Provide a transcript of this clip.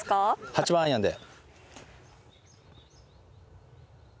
８番アイアンで。